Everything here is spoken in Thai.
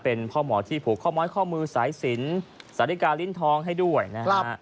เป็นพ่อหมอที่ผูกข้อม้อยข้อมือสายสินสาธิกาลิ้นทองให้ด้วยนะฮะ